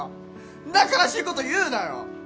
んな悲しいこと言うなよ